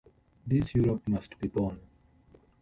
'This Europe must be born.